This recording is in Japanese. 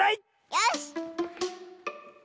よし！